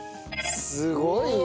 すごいね。